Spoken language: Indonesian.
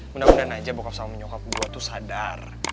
mudah mudahan aja bokap sama nyokap gue tuh sadar